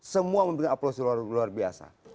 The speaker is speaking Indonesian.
semua membeli aplaus luar biasa